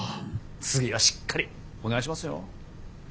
次はしっかりお願いしますよ。